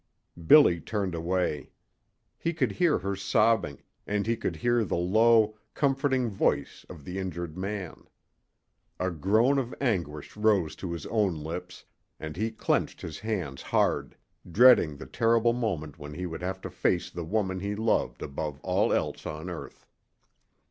Billy turned away. He could hear her sobbing, and he could hear the low, comforting voice of the injured man. A groan of anguish rose to his own lips, and he clenched his hands hard, dreading the terrible moment when he would have to face the woman he loved above all else on earth.